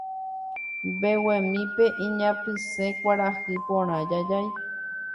Mbeguemípe iñapysẽ kuarahy porã jajái